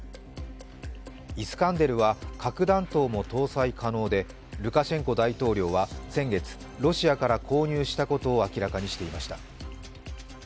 イスカンデルは核弾頭も搭載可能でルカシェンコ大統領は先月、ロシアから購入したことを明らかにしていました。